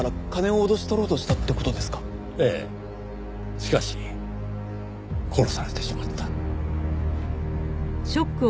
しかし殺されてしまった。